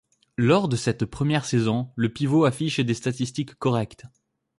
Lors de cette première saison, le pivot affiche des statistiques correctes.